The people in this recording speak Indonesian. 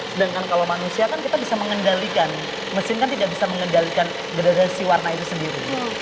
sedangkan kalau manusia kan kita bisa mengendalikan mesin kan tidak bisa mengendalikan si warna itu sendiri